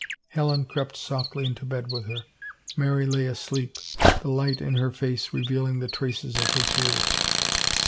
Helen crept softly into bed with her. Mary lay asleep, the light in her face revealing the traces of her tears.